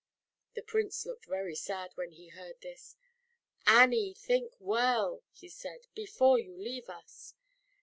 " The Prince looked very sad when he heard this. "Annie, think well," he said " before you leave us.